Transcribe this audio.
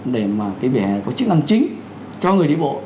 để mà cái vỉa hè có chức năng chính cho người đi bộ